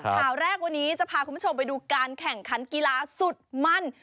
ข่าวแรกวันนี้จะพาคุณผู้ชมไปดูการแข่งขันกีฬาสุดมั่น